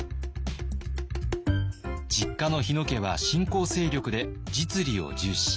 実家の日野家は新興勢力で実利を重視。